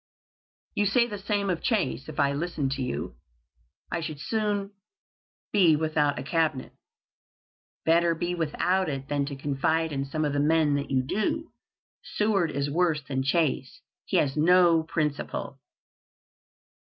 "You say the same of Chase. If I listened to you, I should soon be without a Cabinet." "Better be without it than to confide in some of the men that you do. Seward is worse than Chase. He has no principle."